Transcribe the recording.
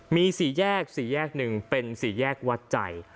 มีสี่แยกสี่แยกหนึ่งเป็นสี่แยกวัดใจ